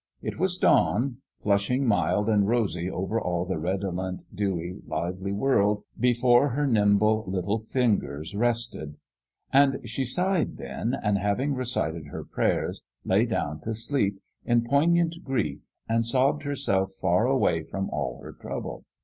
It was dawn flushing mild and rosy over all the redolent, dewy, lively world before her nimble little fin gers rested. And she sighed, then, and having recited her prayers lay down to sleep, in poign ant grief, and sobbed herself far away from all her trouble.